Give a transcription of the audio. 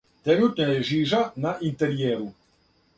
Тренутно је жижа на интеријеру.